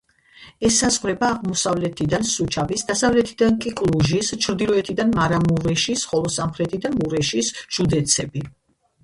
ესაზღვრება აღმოსავლეთიდან სუჩავის, დასავლეთიდან კი კლუჟის, ჩრდილოეთიდან მარამურეშის, ხოლო სამხრეთიდან მურეშის ჟუდეცები.